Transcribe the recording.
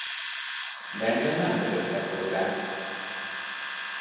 De engem nem kötöztek hozzá!